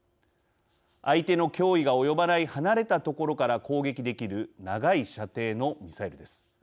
相手の脅威が及ばない離れた所から攻撃できる長い射程のミサイルです。